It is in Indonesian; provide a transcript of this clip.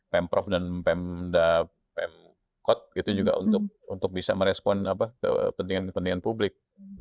pm prof dan pm daerah kabupaten kota itu juga untuk bisa merespon kepentingan pentingan publik